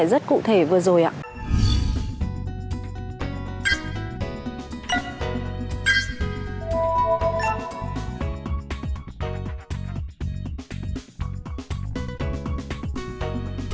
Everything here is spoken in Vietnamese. rất cụ thể vừa rồi ạ